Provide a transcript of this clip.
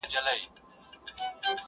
حقيقت کمزوری ښکاري تل،